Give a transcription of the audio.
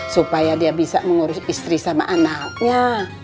supaya dia bisa mengurus istri sama anaknya